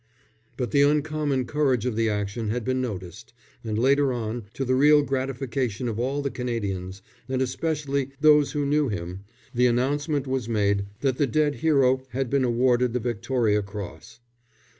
But the uncommon courage of the action had been noticed, and later on, to the real gratification of all the Canadians, and especially those who knew him, the announcement was made that the dead hero had been awarded the Victoria Cross.